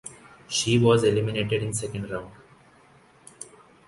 She was eliminated in second round.